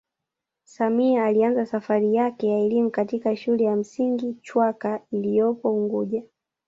Samia alianza safari yake ya elimu katika shule ya msingi chwaka iloyopo unguja